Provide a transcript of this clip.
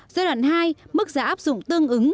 giai đoạn hai mức giá áp dụng tương ứng